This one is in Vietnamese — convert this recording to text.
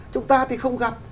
chúng ta thì không gặp